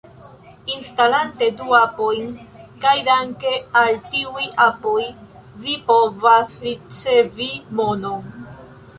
Instalante du apojn, kaj danke al tiuj apoj vi povas ricevi monon